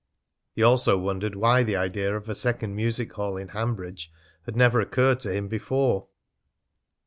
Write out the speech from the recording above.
He also wondered why the idea of a second music hall in Hanbridge had never occurred to him before.